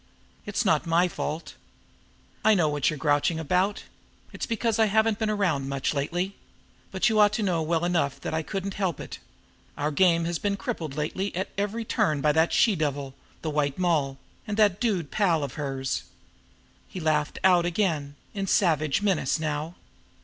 It's not my fault. I know what you're grouching about it's because I haven't been around much lately. But you ought to know well enough that I couldn't help it. Our game has been crimped lately at every turn by that she devil, the White Moll, and that dude pal of hers." He laughed out again in savage menace now.